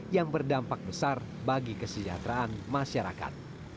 yang berdampak besar bagi kesejahteraan masyarakat